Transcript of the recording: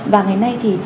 và ngày nay thì